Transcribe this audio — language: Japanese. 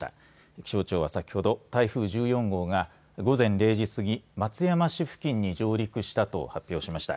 気象庁は、先ほど台風１４号が午前０時すぎ松山市付近に上陸したと発表しました。